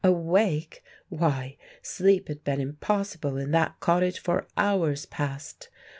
Awake! why, sleep had been impossible in that cottage for hours past!